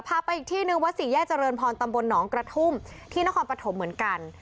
พาไปอีกที่หนึ่งวัดสี่แยกเจริญพรตำบลหนองกระทุ่มที่นครปฐมเหมือนกัน